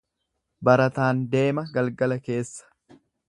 Barataan deema galgala keessa.